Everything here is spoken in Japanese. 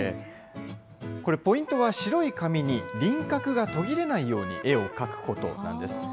これ、ポイントは、白い紙に輪郭が途切れないように絵を描くことなんです。